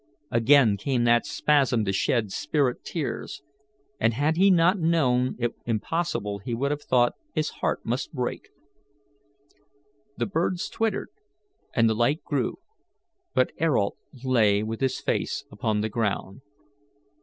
Again came that spasm to shed spirit tears, and had he not known it impossible he would have thought his heart must break. The birds twittered, and the light grew, but Ayrault lay with his face upon the ground.